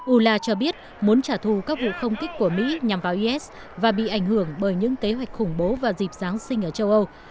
ula cho biết muốn trả thù các vụ không kích của mỹ nhằm vào is và bị ảnh hưởng bởi những kế hoạch khủng bố vào dịp giáng sinh ở châu âu